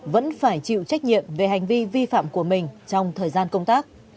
vẫn phải chịu trách nhiệm về hành vi vi phạm của mình trong thời gian công tác